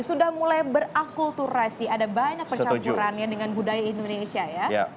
sudah mulai berakulturasi ada banyak percampuran ya dengan budaya indonesia ya